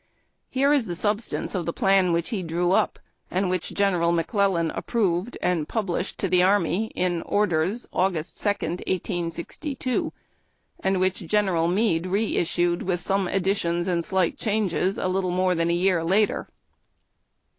Here is the substance of the plan which he drew up, and' 304 UABB TACK AND COFFEE. which General McCleUan approved, and published to the army in orders, Aug. 2, 1862, and which General Meade reis sued, with some additions and slight changes, a little more than a year later.